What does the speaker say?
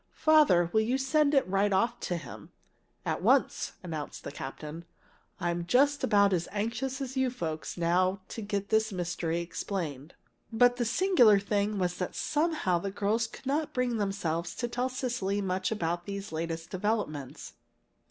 Father, will you send it right off to him?" "At once!" announced the captain. "I'm just about as anxious as you folks, now, to get this mystery explained." But the singular thing was that somehow the girls could not bring themselves to tell Cecily much about these latest developments.